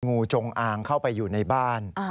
งูจงอางเข้าไปอยู่ในบ้าน